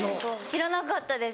知らなかったです。